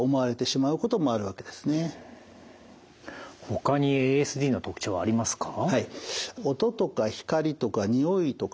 ほかにＡＳＤの特徴はありますか？